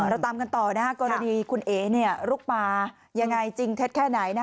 เราตามกันต่อกรณีคุณเอ๋ลุกมายังไงจริงเท็จแค่ไหน